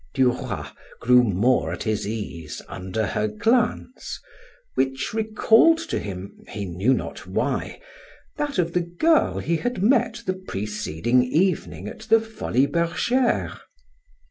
Duroy grew more at his ease under her glance, which recalled to him, he knew not why, that of the girl he had met the preceding evening at the Folies Bergeres.